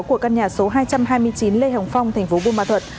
của căn nhà số hai trăm hai mươi chín lê hồng phong thành phố buôn ma thuật